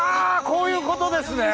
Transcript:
こういうことですね。